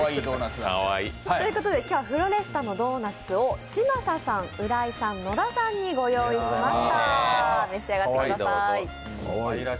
今日はフロレスタのドーナツを嶋佐さん、浦井さん、野田さんにご用意しました。